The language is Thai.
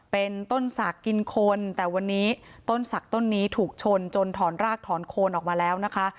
เป็นต้นศักดิ์กินคนแต่วันนี้ต้นศักดิ์ต้นนี้ถูกชนจนถอนรากถอนโคนออกมาแล้วนะคะ